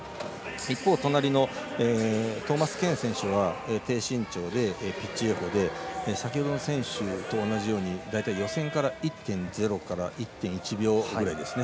一方隣のトーマスケーン選手は低身長でピッチ泳法で先ほどの選手と同じように大体予選から１．０から１．１秒ぐらいですね。